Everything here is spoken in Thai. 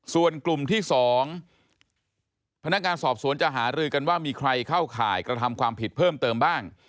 ส่วนกลุ่มที่๒พนักงานสอบสวนจะหารือกันว่ามีใครเข้าข่ายกระทำความผิดเพิ่มเติมบ้าง